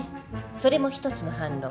それも１つの反論。